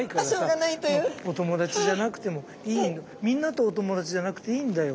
みんなとお友達じゃなくていいんだよ。